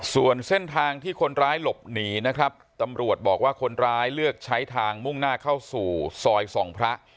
ส่วนเส้นทางที่คนร้ายหลบหนีนะครับตำรวจบอกว่าคนร้ายเลือกใช้ทางมุ่งหน้าเข้าสู่ซอยส่องพระ